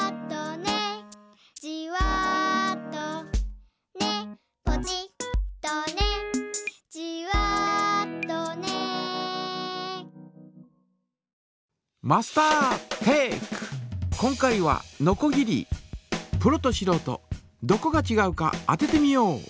どこがちがうか当ててみよう！